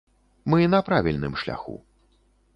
Мы на правільным шляху.